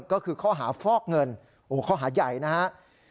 ก็คือข้อหาฟอกเงินโอ้โหข้อหาใหญ่นะครับ